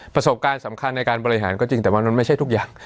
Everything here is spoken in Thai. ประสบการณ์สำคัญในการบริหารก็จริงแต่ว่ามันไม่ใช่ทุกอย่าง